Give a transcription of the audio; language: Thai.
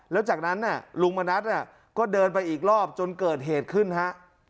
แล้วจากนั้นลุงมณัฐก็เดินไปอีกรอบจนเกิดเหตุขึ้นฮะ